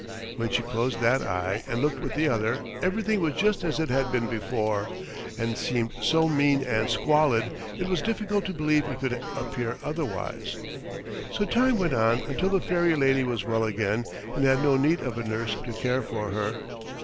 When she closed that eye and looked with the other, everything was just as it had been before, and seemed so mean and squalid it was difficult to believe it could appear otherwise. So time went on until the fairy lady was well again and had no need of a nurse to care for her.